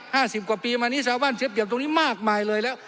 สิบกว่าปีมานี้ชาวบ้านเสียเปรียบตรงนี้มากมายเลยแล้ว